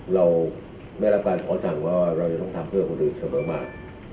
เราได้รับการขอสั่งว่าเราจะต้องทำเพื่อคนอื่นเสมอมา